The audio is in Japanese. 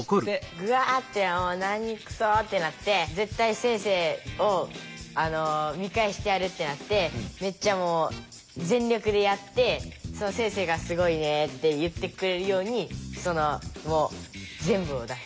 ぐあって何くそってなって絶対先生を見返してやるってなってめっちゃもう全力でやって先生が「すごいね」って言ってくれるようにそのもう全部を出す。